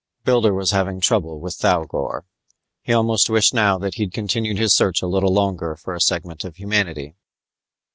Builder was having trouble with Thougor. He almost wished now that he'd continued his search a little longer for a segment of humanity.